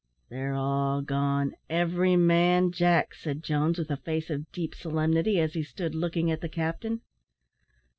"They're all gone every man, Jack," said Jones, with a face of deep solemnity, as he stood looking at the captain.